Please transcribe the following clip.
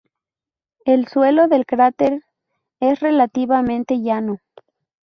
El suelo del cráter es relativamente llano.